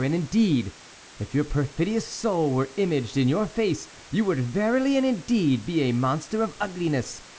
. and, indeed, if your perfidious soul were imaged in your face, you would verily and indeed be a monster of ugliness.